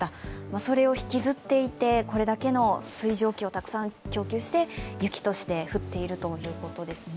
それを引きずっていてこれだけの水蒸気をたくさん供給して雪として降っているということですね。